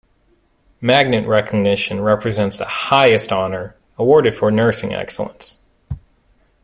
Magnet recognition represents the highest honor awarded for nursing excellence.